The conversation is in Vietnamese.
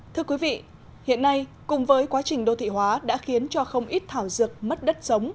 thưa quý vị hiện nay cùng với quá trình đô thị hóa đã khiến cho không ít thảo dược mất đất sống